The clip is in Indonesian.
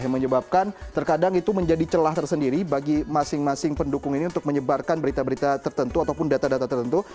yang menyebabkan terkadang itu menjadi celah tersendiri bagi masing masing pendukung ini untuk menyebarkan berita berita tertentu ataupun data data tertentu